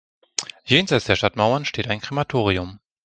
Jenseits der Stadtmauern steht ein Krematorium.